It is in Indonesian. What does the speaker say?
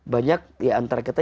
banyak ya antara kita